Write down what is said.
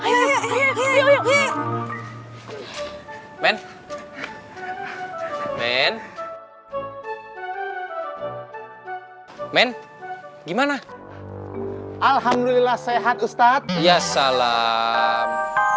hai men men men gimana alhamdulillah sehat ustadz ya salam